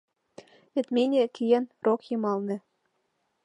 Вет мине киен рок йымалне